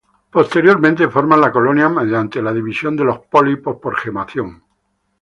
Posteriormente, forman la colonia mediante la división de los pólipos por gemación.